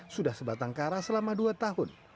sudah sebatang kara selama dua tahun